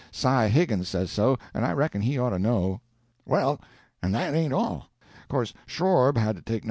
Si Higgins says so, and I reckon he ought to know. Well, and that ain't all. 'Course Shorb had to take No.